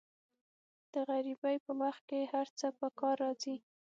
د غریبۍ په وخت کې هر څه په کار راځي.